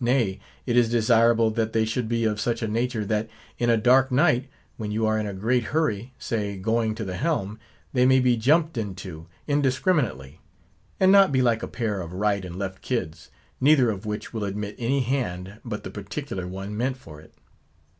Nay, it is desirable, that they should be of such a nature, that in a dark night, when you are in a great hurry—say, going to the helm—they may be jumped into, indiscriminately; and not be like a pair of right and left kids; neither of which will admit any hand, but the particular one meant for it.